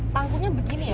pangkunya begini ya